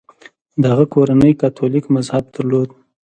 د هغه کورنۍ کاتولیک مذهب درلود.